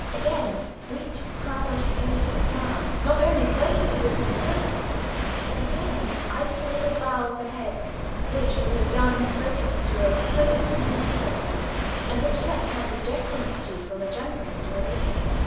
Again the sweet, proud, courteous smile; not only courteous, but courtly; again the icy little bow of the head, which would have done credit to a prince in displeasure, and which yet had the deference due from a gentleman to a lady.